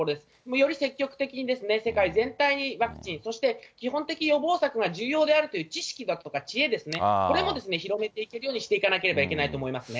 より積極的に世界全体にワクチン、そして基本的予防策が重要であるという知識だとか知恵ですね、これも広めていけるようにしていかなければいけないですね。